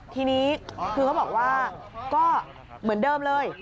ทีนี้คือเขาบอกว่าก็เหมือนเดิมเลย